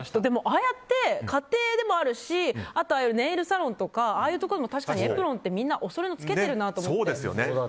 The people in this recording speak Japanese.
ああやって家庭でもあるしネイルサロンとかああいうところもエプロンってみんなおそろいの着けてるなと。